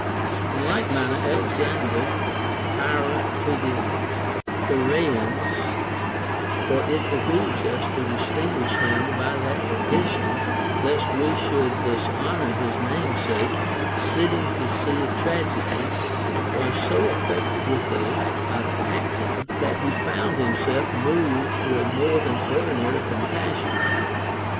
In like manner Alexander tyrant of the Pheraeans (for it behooves us to distinguish him by that addition, lest Ave should dishonor his namesake), sitting to see a tragedy, was so affected with delight at the acting, that he found himself moved to a more than ordi nary compassion.